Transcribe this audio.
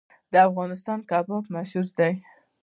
د افغانستان کباب مشهور دی